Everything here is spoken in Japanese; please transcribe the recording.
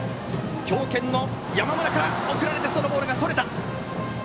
強肩の山村から送られたボールがそれました。